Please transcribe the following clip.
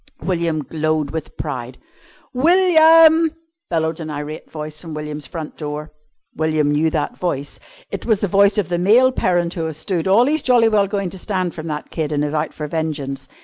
William glowed with pride. "William!" bellowed an irate voice from William's front door. William knew that voice. It was the voice of the male parent who has stood all he's jolly well going to stand from that kid, and is out for vengeance.